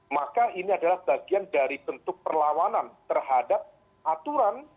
maka ini adalah bagian dari bentuk perlawanan terhadap aturan